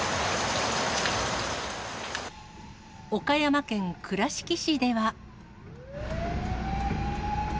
岡山県倉敷市では。